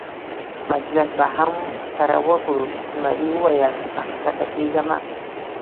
مجلس به هم سره وکړو، زمري وویل: را کښته کېږه مه.